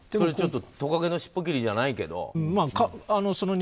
ちょっとトカゲのしっぽ切りじゃないけど。